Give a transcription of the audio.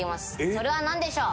それはなんでしょう？